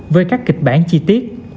với các kịch bản chi tiết